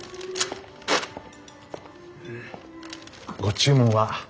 ご注文は？